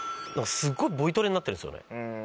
すごいボイトレになってるんですよね。